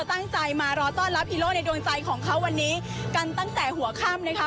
ตั้งใจมารอต้อนรับฮีโร่ในดวงใจของเขาวันนี้กันตั้งแต่หัวค่ำนะคะ